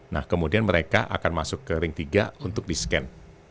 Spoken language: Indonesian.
nah kemudian mereka akan masuk ke ring tiga untuk di scan